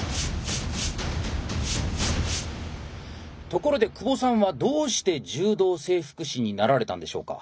ところで久保さんはどうして柔道整復師になられたんでしょうか？